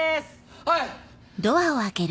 はい。